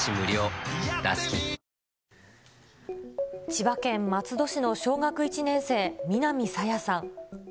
千葉県松戸市の小学１年生、南朝芽さん。